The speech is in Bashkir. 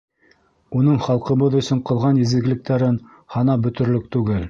Уның халҡыбыҙ өсөн ҡылған изгелектәрен һанап бөтөрлөк түгел.